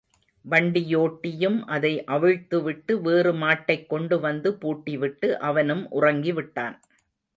வண்டியோட்டியும் அதை அவிழ்த்துவிட்டு வேறு மாட்டைக் கொண்டு வந்து பூட்டி விட்டு, அவனும் உறங்கிவிட்டான்.